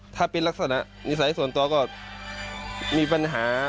ถ้าเป็นลักษณะนิสัยส่วนตัวก็มีปัญหา